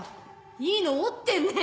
いいの持ってんねぇ。